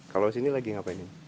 kalau disini lagi ngapain ini